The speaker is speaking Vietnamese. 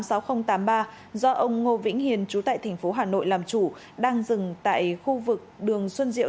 hai mươi chín a tám mươi sáu nghìn tám mươi ba do ông ngô vĩnh hiền trú tại thành phố hà nội làm chủ đang dừng tại khu vực đường xuân diệu